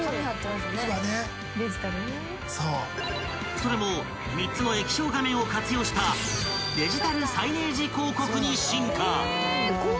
［それも３つの液晶画面を活用したデジタルサイネージ広告に進化］